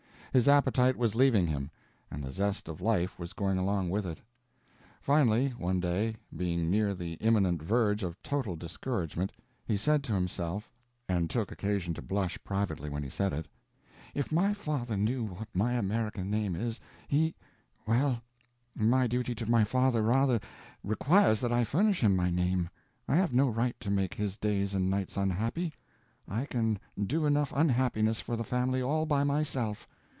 His appetite was leaving him and the zest of life was going along with it. Finally, one day, being near the imminent verge of total discouragement, he said to himself—and took occasion to blush privately when he said it, "If my father knew what my American name is,—he—well, my duty to my father rather requires that I furnish him my name. I have no right to make his days and nights unhappy, I can do enough unhappiness for the family all by myself.